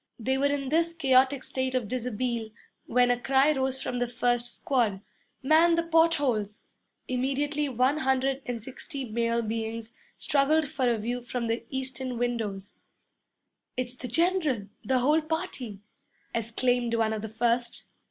They were in this chaotic state of dishabille when a cry rose from the first squad, 'Man the port holes!' Immediately one hundred and sixty male beings struggled for a view from the eastern windows. 'It's the general the whole party!' exclaimed one of the first.